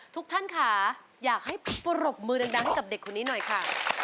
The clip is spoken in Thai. ทุกท่านค่ะอยากให้ปรบมือดังให้กับเด็กคนนี้หน่อยค่ะ